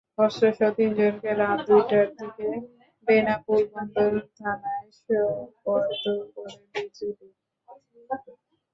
অস্ত্রসহ তিনজনকে রাত দুইটার দিকে বেনাপোল বন্দর থানায় সোপর্দ করে বিজিবি।